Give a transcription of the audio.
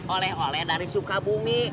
oleh oleh dari sukabumi